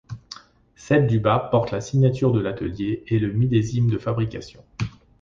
Celle du bas porte la signature de l'atelier et le millésime de fabrication.